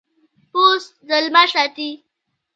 پوست د لمر ساتي.